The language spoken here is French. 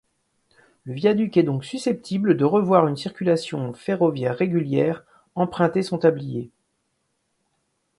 Le viaduc est donc susceptible de revoir une circulation ferroviaire régulière emprunter son tablier.